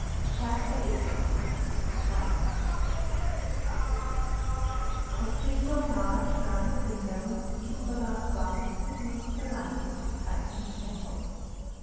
CHAPTER VIII TRITON A single large round window in the cupola above admits the light into Triton's temple.